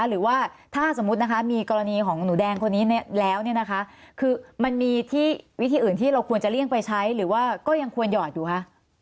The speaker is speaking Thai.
หรือว่าถ้าสมมุตินะคะมีกรณีของหนูแดงคนนี้แล้วเนี่ยนะคะคือมันมีที่วิธีอื่นที่เราควรจะเลี่ยงไปใช้หรือว่าก็ยังควรหยอดอยู่คะ